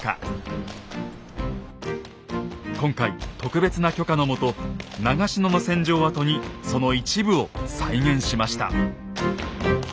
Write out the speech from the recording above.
今回特別な許可のもと長篠の戦場跡にその一部を再現しました。